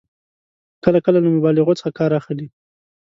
کله کله له مبالغو څخه کار اخلي.